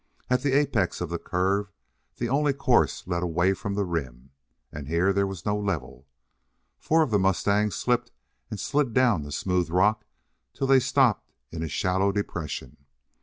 At the apex of the curve the only course led away from the rim, and here there was no level. Four of the mustangs slipped and slid down the smooth rock until they stopped in a shallow depression.